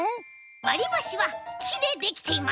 わりばしはきでできています。